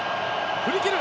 振り切る！